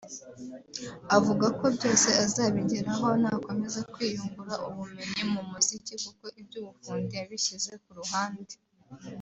Avuga ko byose azabigeraho nakomeza kwiyungura ubumenyi mu muziki kuko iby’ubufundi yabishyize ku ruhande